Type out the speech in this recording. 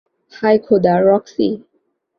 হায় খোদা, রক্সি।